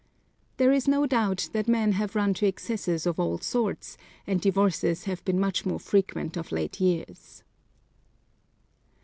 There is no doubt that men have run to excesses of all sorts, and divorces have been much more frequent of late years.